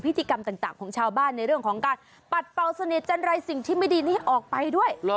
กิจกรรมต่างของชาวบ้านในเรื่องของการปัดเป่าเสน่หจันไรสิ่งที่ไม่ดีนี้ออกไปด้วย